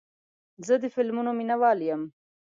زه د فلمونو مینهوال یم.